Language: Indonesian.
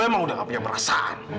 lo emang udah nggak punya perasaan